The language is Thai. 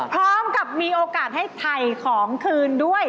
พร้อมกับมีโอกาสให้ถ่ายของคืนด้วย